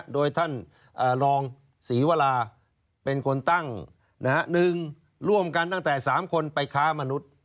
โดยท่านรองศรีวราเป็นคนตั้ง๑ร่วมกันตั้งแต่๓คนไปค้ามนุษย์